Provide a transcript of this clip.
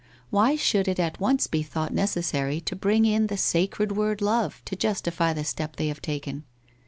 AYhy should it at once be thought necessary to bring in the sacred word love to justify the step they have taken?